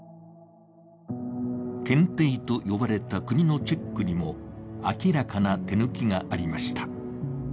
検定と呼ばれた国のチェックにも明らかな手抜きがありました。